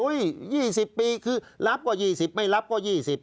อุ๊ย๒๐ปีคือรับกว่า๒๐ไม่รับกว่า๒๐